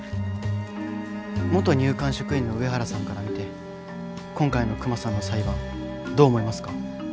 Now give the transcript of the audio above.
元入管職員の上原さんから見て今回のクマさんの裁判どう思いますか？